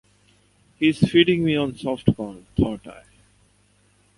He's feeding me on soft corn, thought I.